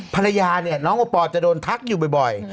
ภรรยาเนี่ยน้องโอปอลจะโดนทักอยู่บ่อย